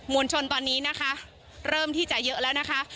วลชนตอนนี้นะคะเริ่มที่จะเยอะแล้วนะคะ